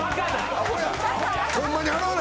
アホや。